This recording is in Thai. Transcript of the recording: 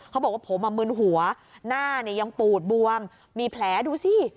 เขาบอกว่าผมมึนหัวหน้าเนี่ยยังปูดบวมมีแผลดูสิ